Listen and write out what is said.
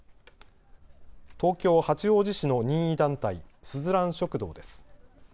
東京八王子市の任意団体、すずらん食堂です。